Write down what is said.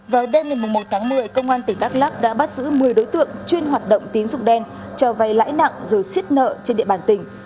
vào đêm ngày một tháng một mươi công an tỉnh đắk lắc đã bắt giữ một mươi đối tượng chuyên hoạt động tín dụng đen cho vay lãi nặng rồi xiết nợ trên địa bàn tỉnh